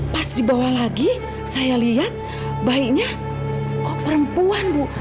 pas dibawa lagi saya lihat bayinya kok perempuan bu